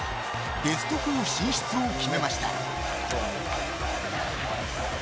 ベスト４進出を決めました。